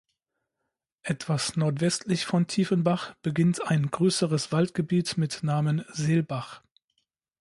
Etwas nordwestlich von Tiefenbach beginnt ein größeres Waldgebiet mit Namen "Selbach".